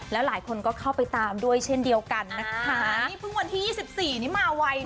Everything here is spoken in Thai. แล้วหลายคนก็เข้าไปตามด้วยเช่นเดียวกันนะคะนี่เพิ่งวันที่ยี่สิบสี่นี่มาไวนะ